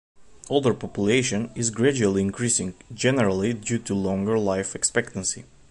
Older population is gradually increasing, generally due to longer life expectancy.